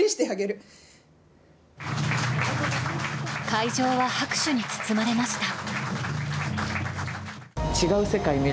会場は拍手に包まれました。